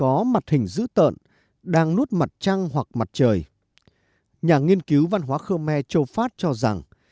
nó là mặt hình dữ tợn đang nuốt mặt trăng hoặc mặt trời nhà nghiên cứu văn hóa khmer châu pháp cho rằng